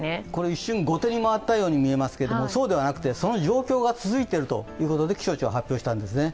一瞬、後手に回ったように見えますけど、そうではなくてその状況が続いているということで気象庁は発表したんですね。